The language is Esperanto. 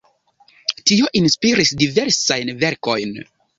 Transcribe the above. Tio inspiris diversajn verkojn.